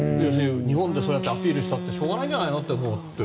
日本でアピールしたってしょうがないんじゃないのって。